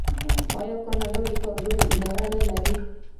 آیا کاناډا د کارګرانو اداره نلري؟